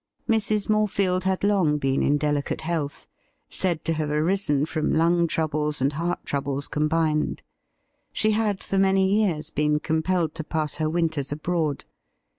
Mrs. Morefield had long been in delicate health — said to have arisen from lung troubles and heart troubles combined. She had for many years been compelled to pass her winters abroad.